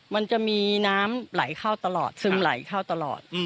มันจะมีน้ำไหลเข้าตลอดซึมไหลเข้าตลอด